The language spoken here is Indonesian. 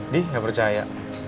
dih gak percaya